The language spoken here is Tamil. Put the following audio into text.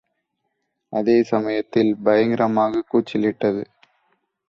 அதே சமயத்தில் பயங்கரமாகக் கூச்சலிட்டது.